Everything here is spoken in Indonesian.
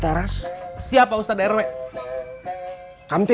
terus belum tapi